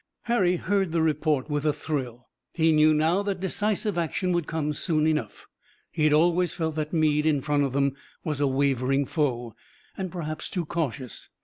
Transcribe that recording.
Harry heard the report with a thrill. He knew now that decisive action would come soon enough. He had always felt that Meade in front of them was a wavering foe, and perhaps too cautious.